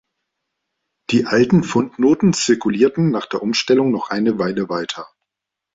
Die alten Pfund-Noten zirkulierten nach der Umstellung noch eine Weile weiter.